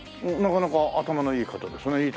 なかなか頭のいい方ですね。